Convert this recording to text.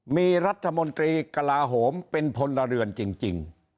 มีรัฐมนตรีกลาโหมเป็นพลเรือนจริง